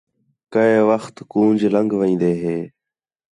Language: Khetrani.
کَئے وخت کونج لڳ وین٘دے ہِے